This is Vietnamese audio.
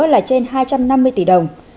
là trên hai trăm năm mươi tỷ đồng